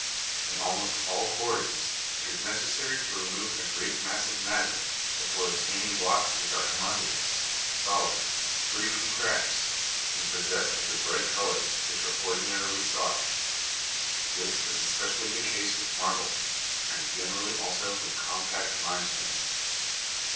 In almost all quarries, it is necessary to remove a great mass of matter, before obtaining blocks which are homogeneous, solid, free from cracks, and possessed of the bright colours which are ordinarily sought; this is especially the case with marble, and generally, also, with compact limestone.